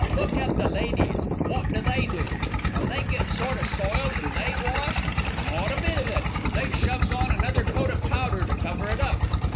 "Look at the ladies. Wot do they do? When they gets sort o' soiled, do they wash? Not a bit of it; they shoves on another coat of powder to cover it up.